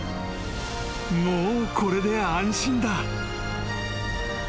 ［もうこれで安心だ］